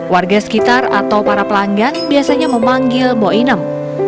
warga sekitar atau para pelanggan biasanya memanggil moinem ⁇